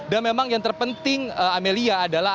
dan memang yang terpenting amelia adalah